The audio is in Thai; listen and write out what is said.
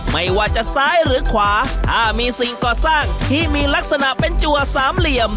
ไม่ว่าจะซ้ายหรือขวาถ้ามีสิ่งก่อสร้างที่มีลักษณะเป็นจัวสามเหลี่ยม